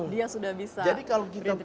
dia sudah bisa berintervensi dengan masyarakat